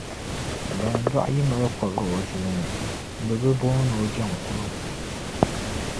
Bandɔɣu yi mali kɔbiri o zuli ni bɛ bi booni o jɛŋkuno.